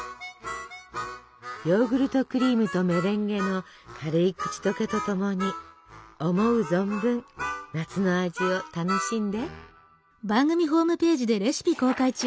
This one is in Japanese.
ヨーグルトクリームとメレンゲの軽い口どけとともに思う存分夏の味を楽しんで。